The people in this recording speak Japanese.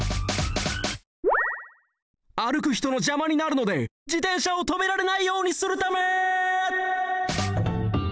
あるくひとのじゃまになるのでじてんしゃをとめられないようにするため！